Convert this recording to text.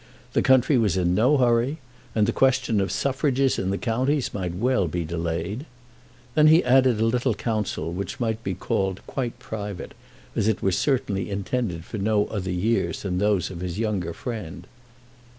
The country was in no hurry, and the question of suffrages in the counties might be well delayed. Then he added a little counsel which might be called quite private, as it was certainly intended for no other ears than those of his younger friend.